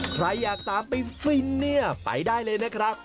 ใครอยากตามไปฟินเนี่ยไปได้เลยนะครับ